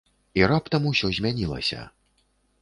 І раптам усё змянілася.